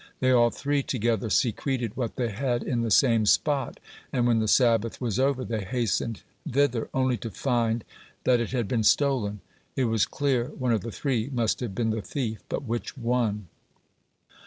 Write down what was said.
They all three together secreted what they had in the same spot, and, when the Sabbath was over, they hastened thither, only to find that it had been stolen. It was clear one of the three must have been the thief, but which one?